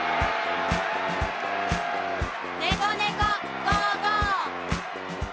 「ねこねこ５５」！